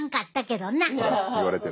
言われてる。